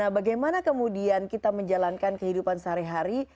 bagaimana kemudian kita menjalankan kehidupan sehari hari